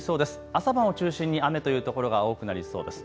朝晩を中心に雨という所が多くなりそうです。